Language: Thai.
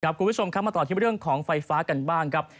คุณผู้ชมครับมาต่อที่เรื่องของไฟฟ้ากันบ้างครับ